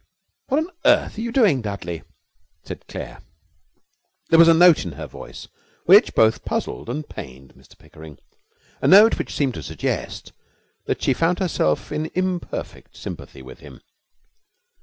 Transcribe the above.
'What on earth are you doing, Dudley?' said Claire. There was a note in her voice which both puzzled and pained Mr Pickering, a note that seemed to suggest that she found herself in imperfect sympathy with him.